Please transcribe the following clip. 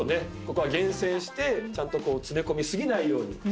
ここは厳選してちゃんと詰め込み過ぎないように。